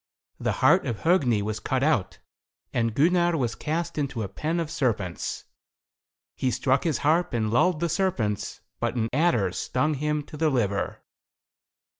The heart of Hogni was cut out, and Gunnar was cast into a pen of serpents. He struck his harp and lulled the serpents, but an adder stung him to the liver.